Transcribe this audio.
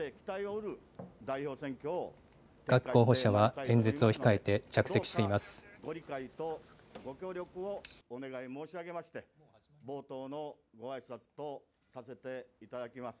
各候補者は演説を控えて着席しています。